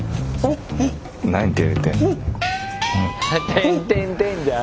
テンテンテンじゃん！